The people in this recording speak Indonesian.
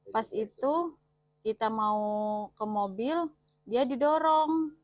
pas itu kita mau ke mobil dia didorong